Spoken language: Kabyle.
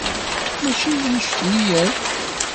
Mačči d annect-nni yakk.